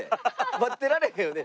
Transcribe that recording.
待ってられへんよね。